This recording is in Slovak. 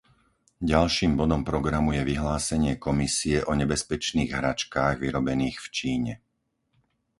Ďalším bodom programu je vyhlásenie Komisie o nebezpečných hračkách vyrobených v Číne.